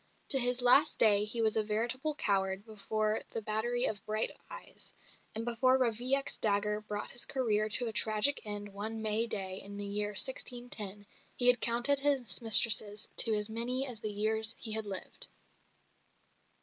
To his last day he was a veritable coward before the battery of bright eyes; and before Ravaillac's dagger brought his career to a tragic end one May day in the year 1610 he had counted his mistresses to as many as the years he had lived.